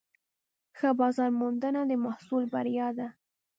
ښه بازارموندنه د محصول بریا ده.